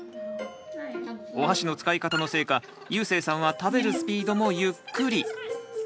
おはしの使い方のせいかゆうせいさんは食べるスピードもゆっくり。